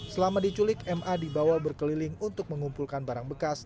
selama diculik ma dibawa berkeliling untuk mengumpulkan barang bekas